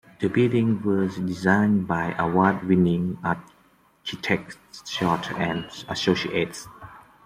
The building was designed by award-winning architects Short and Associates.